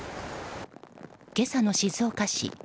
今朝の静岡市。